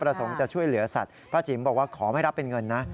ประสงค์จะช่วยเหลือสัตว์ป้าจิ๋มบอกว่าขอไม่รับเป็นเงินนะ